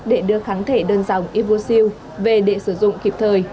để đưa kháng thể đơn dòng iphosiu về để sử dụng kịp thời